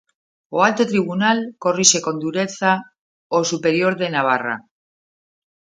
O alto tribunal corrixe con dureza o Superior de Navarra.